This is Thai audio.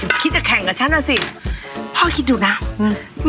คิดจะแข่งกับฉันอ่ะสิพ่อคิดดูนะอืม